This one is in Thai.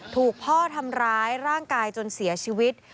ถูกพ่อทำร้ายร่างกายจนเสียชีวิต